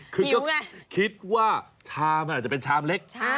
คือก็คิดว่าชามมันอาจจะเป็นชามเล็ก